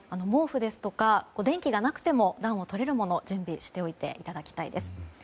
毛布ですとか、電気がなくても暖をとれるものを準備しておいていただきたいです。